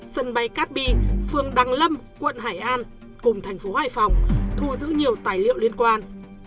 sân bay cát bi phường đăng lâm quận hải an cùng thành phố hải phòng thu giữ nhiều tài liệu liên quan